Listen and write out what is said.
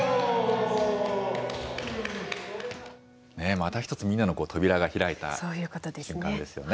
また一つ、みんなの扉が開いた瞬間ですよね。